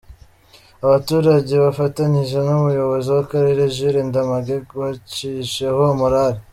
Abaturage bafatanyije n’umuyobozi w’akarere Jules Ndamage bacishijeho morale.